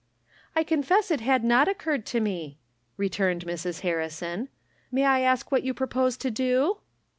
" "I confess it had not occurred to me," returned Mrs. Harrison. " May I ask what you propose to do